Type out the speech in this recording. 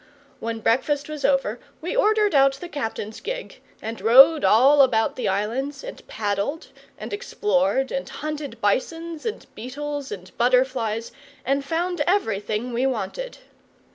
When breakfast was over we ordered out the captain's gig, and rowed all about the islands, and paddled, and explored, and hunted bisons and beetles and butterflies, and found everything we wanted.